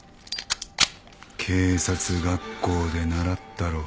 警察学校で習ったろ。